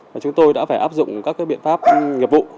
và chúng tôi đã phải áp dụng các biện pháp nghiệp vụ